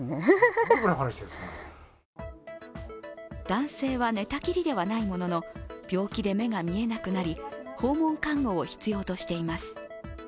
男性は寝たきりではないものの病気で目が見えなくなり訪問看護を必要としています。